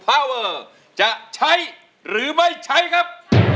ภาวะจะใช้หรือไม่ใช่ครับ